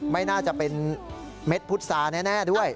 ไม่น่าจะเป็นเม็ดพุษาแน่ด้วย